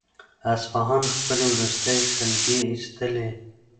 اصفهان خپلې وروستۍ سلګۍ ایستلې.